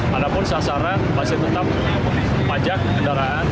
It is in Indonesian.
walaupun sasaran masih tetap pajak kendaraan